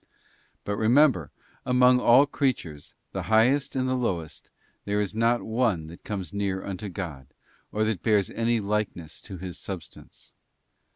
But remember, among all creatures, the highest and the lowest, there is not one that comes near unto God, or that bears any likeness to His Substance.